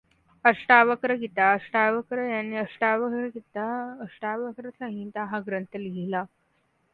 अष्टावक्र गीता अष्टावक्र यांनी अष्टावक्र गीता अष्टावक्र संहिता हा ग्रंथ लिहिला.